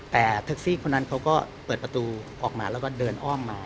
แต่แท็กซี่คนนั้นเขาก็เปิดประตูออกมาแล้วก็เดินอ้อมมา